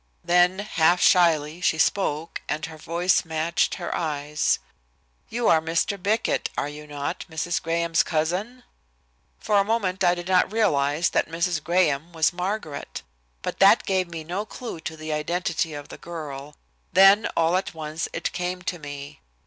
"Then, half shyly, she spoke, and her voice matched her eyes. "'You are Mr. Bickett, are you not, Mrs. Graham's cousin?' "For a moment I did not realize that 'Mrs. Graham' was Margaret. But that gave me no clue to the identity of the girl. Then all at once it came to me.